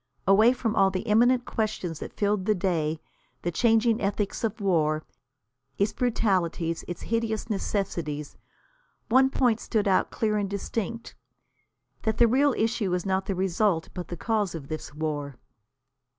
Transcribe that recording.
Away from all the imminent questions that filled the day, the changing ethics of war, its brutalities, its hideous necessities, one point stood out clear and distinct. That the real issue is not the result, but the cause of this war.